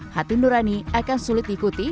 hati nurani akan sulit diikuti